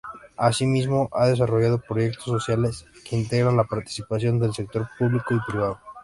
Asimismo, ha desarrollado proyectos sociales que integran la participación del sector público y privado.